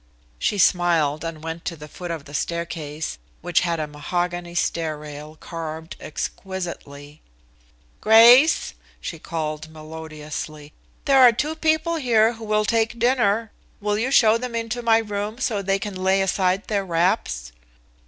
She smiled and went to the foot of the staircase, which had a mahogany stair rail carved exquisitely. "Grace," she called melodiously. "There are two people here who will take dinner. Will you show them into my room, so they can lay aside their wraps?"